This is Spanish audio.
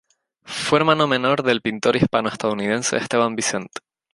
Fue hermano menor del pintor hispano-estadounidense Esteban Vicente.